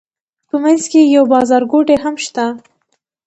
په منځ کې یې یو بازارګوټی هم شته.